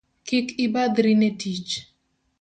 Kik ibadhri ne tich